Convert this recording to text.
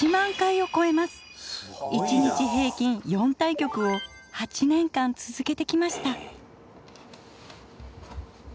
１日平均４対局を８年間続けてきました。